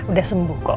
udah sembuh kok